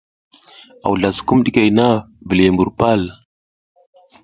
A wuzla sukum ɗikey na, viliy mbur pal.